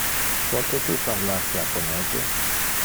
Pote tu parlar Japonese?